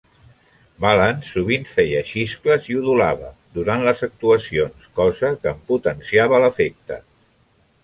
Balance sovint feia xiscles i udolava durant les actuacions, cosa que en potenciava l'efecte.